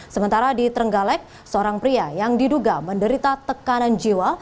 sementara di trenggalek seorang pria yang diduga menderita tekanan jiwa